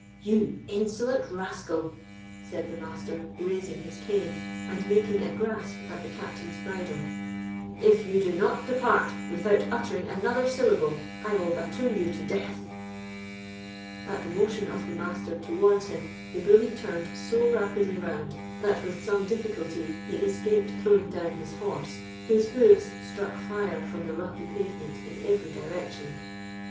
"You insolent rascal," said the Master, raising his cane, and making a grasp at the Captain's bridle, "if you do not depart without uttering another syllable, I will batoon you to death!" At the motion of the Master towards him, the bully turned so rapidly round, that with some difficulty he escaped throwing down his horse, whose hoofs struck fire from the rocky pavement in every direction.